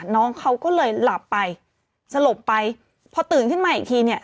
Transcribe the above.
น้องเขาก็เลยหลับไปสลบไปพอตื่นขึ้นมาอีกทีเนี่ย